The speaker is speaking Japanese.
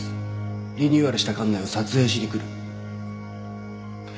リニューアルした館内を撮影しに来る。